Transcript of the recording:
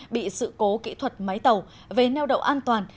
bị sự cố kỹ thuật máy tàu về neo đậu an toàn